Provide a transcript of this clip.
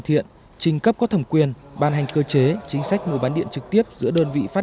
thiện trình cấp có thẩm quyền ban hành cơ chế chính sách mua bán điện trực tiếp giữa đơn vị phát